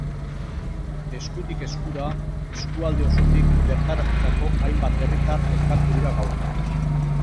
Eskutik eskura, eskualde osotik bertaratutako hainbat herritar elkartu dira gaur.